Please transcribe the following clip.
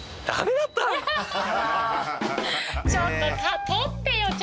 ちょっと。